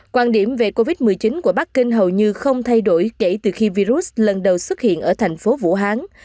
quan điểm về covid một mươi chín của bắc kinh hầu như không thay đổi kể từ khi virus lần đầu xuất hiện ở thành phố vũ hán